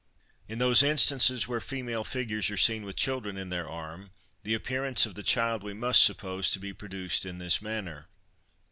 In those instances where female figures are seen with children in their arm, the appearance of the child we must suppose to be produced in this manner.